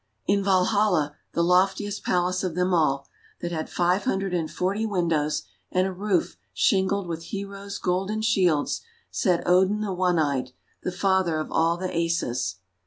In Valhalla, the loftiest palace of them all, that had five hundred and forty windows and a roof shingled with heroes' golden shields, sat Odin the One Eyed, the father of all the Asas.